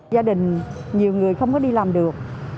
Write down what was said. gia đình nhiều người không có đi làm được